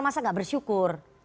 masa enggak bersyukur